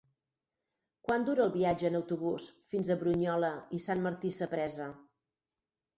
Quant dura el viatge en autobús fins a Brunyola i Sant Martí Sapresa?